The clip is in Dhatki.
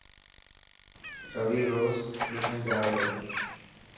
روي روز ٽيوشن جائي ٿو.